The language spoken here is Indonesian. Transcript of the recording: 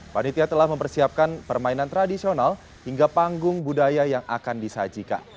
panitia telah mempersiapkan permainan tradisional hingga panggung budaya yang akan disajikan